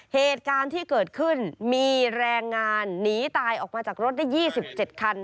เหตุการณ์ที่เกิดขึ้นมีแรงงานหนีตายออกมาจากรถได้๒๗คัน